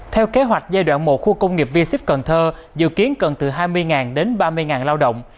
theo kế hoạch giai đoạn một khu công nghiệp v ship cần thơ dự kiến cần từ hai mươi đến ba mươi lao động